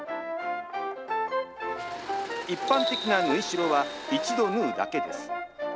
一般的な縫い代は一度縫うだけです。